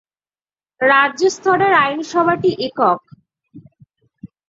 রাজ্য স্তরের আইনসভা টি একক।